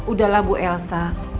udahlah bu elsa